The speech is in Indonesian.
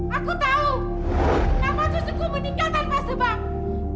aku tahu nama susuku meninggal tanpa sebab